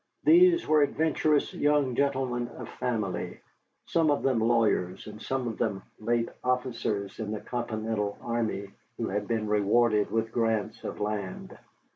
These were adventurous young gentlemen of family, some of them lawyers and some of them late officers in the Continental army who had been rewarded with grants of land.